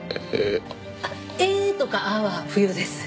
あっ「ええー」とか「あー」は不要です。